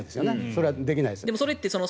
それはできないです。